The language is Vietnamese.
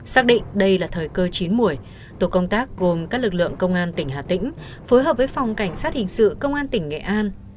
xác định đây là thời cơ chín buổi tổ công tác gồm các lực lượng công an tỉnh hà tĩnh phối hợp với phòng cảnh sát hình sự công an tỉnh nghệ an